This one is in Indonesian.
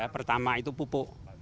pertama itu pupuk